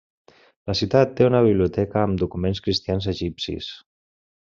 La ciutat té una biblioteca amb documents cristians egipcis.